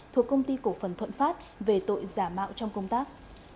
thuộc công ty cổ phần thuận pháp về tội giả mạo trong công tác